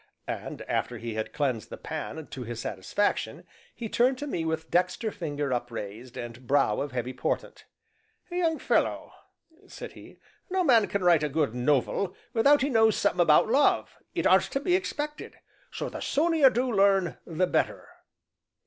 And after he had cleansed the pan to his satisfaction, he turned to me with dexter finger upraised and brow of heavy portent. "Young fellow," said he, "no man can write a good nov el without he knows summat about love; it aren't to be expected so the sooner you do learn, the better."